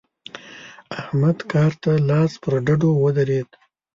احمد کار ته لاس پر ډډو ودرېد.